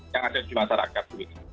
yang ada di masyarakat